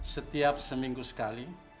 setiap seminggu sekali